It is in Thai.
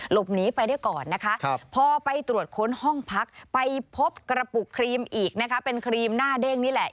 หลบหนีไปได้ก่อนนะคะพอไปตรวจค้นห้องพักไปพบกระปุกครีมอีกนะคะเป็นครีมหน้าเด้งนี่แหละ